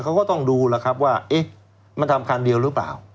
เขาก็ต้องดูแล้วครับว่าเอ๊ะมันทำคันเดียวหรือเปล่า